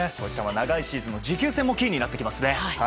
長いシーズンの持久戦もキーになってきますね。